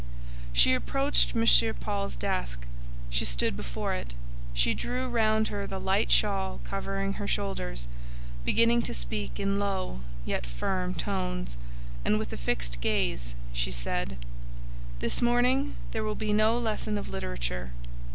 She approached M. Paul's desk; she stood before it; she drew round her the light shawl covering her shoulders; beginning to speak in low, yet firm tones, and with a fixed gaze, she said, "This morning there will be no lesson of literature."